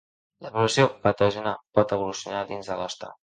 La població patògena pot evolucionar dins de l'hoste.